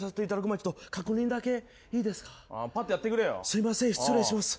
すいません失礼します。